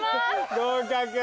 合格。